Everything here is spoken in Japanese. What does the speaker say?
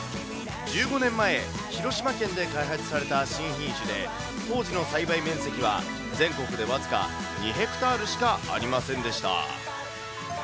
１５年前、広島県で開発された新品種で、当時の栽培面積は、全国で僅か２ヘクタールしかありませんでした。